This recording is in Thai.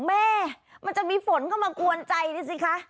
แม่มันจะมีฝนเข้ามากวนใจนี่สิคะ